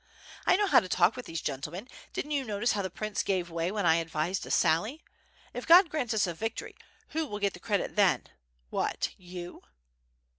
I know how to talk with these gentlemen, didn't you notice how the prince gave way when 1 advised a sally? If God grants us a victory, who will get the credit then — what — you?"